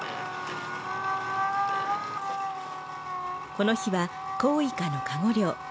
この日はコウイカのかご漁。